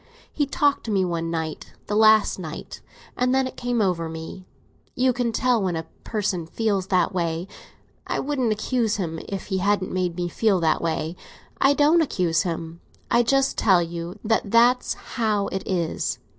He talked to me one night—the last night; and then it came over me. You can tell when a person feels that way. I wouldn't accuse him if he hadn't made me feel that way. I don't accuse him; I just tell you that that's how it is.